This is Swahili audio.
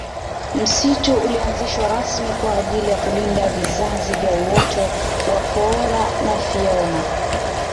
msitu ulianzishwa rasmi kwa ajili ya kulinda vizazi vya uoto wa foora na fiona